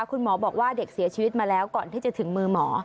คุณหมอบอกว่าเด็กเสียชีวิตมาแล้วก่อนที่จะถึงมือหมอ